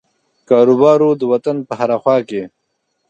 کاروبار وو د وطن په هره خوا کې.